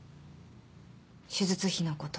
手術費のこと